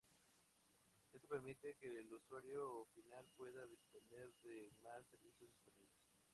Esto permite que el usuario final pueda disponer de más servicios disponibles.